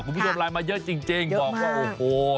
คุณผู้ชมไลน์มาเยอะจริงบอกว่าโอ้โห